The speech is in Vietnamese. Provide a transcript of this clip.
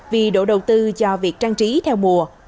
vì độ đầu tư cho việc trang trí theo mùa